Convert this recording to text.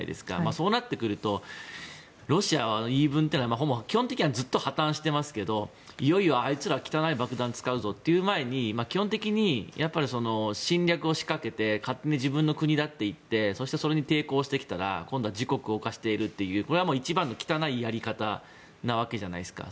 そうなるとロシアの言い分はほぼ基本的には、ずっと破綻していますけどいよいよ、あいつら汚い爆弾使うぞっていう前に基本的に、侵略を仕掛けて勝手に自分の国だと言って抵抗してきたら自国を侵しているという一番の汚いやり方じゃないですか。